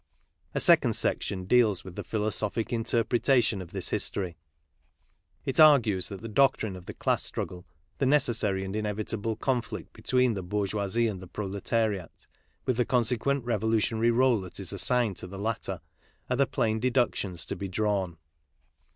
A second section deals with the philosophic interpreta tion of this history. It argues that the doctrine of the class struggle, the necessary and inevitable conflict between the bourgeoisie and the proletariat, with the consequent revolutionary role that is assigned to the latter, are the plain deductions to be drawn.